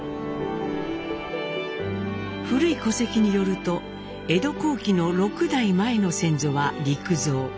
古い戸籍によると江戸後期の６代前の先祖は利久蔵。